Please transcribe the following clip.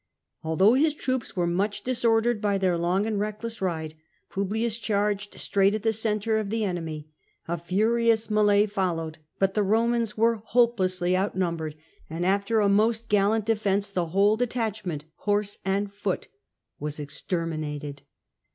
Although his troops were much dis ordered by their long and reckless ride, Publius charged straight at the centre of the enemy. A furious miUe followed, but the Romans were hopelessly outnumbered, and after a most gallant defence the whole detachment, horse and foot, was exterminated.